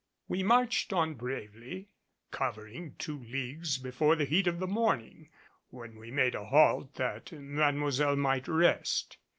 We marched on bravely, covering two leagues before the heat of the morning, when we made a halt that Mademoiselle might rest.